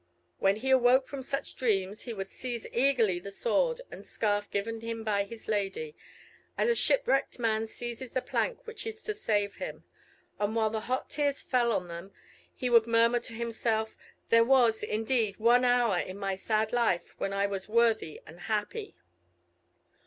When he awoke from such dreams, he would seize eagerly the sword and scarf given him by his lady, as a shipwrecked man seizes the plank which is to save him; and while the hot tears fell on them, he would murmur to himself, "There was, indeed, one hour in my sad life when I was worthy and happy."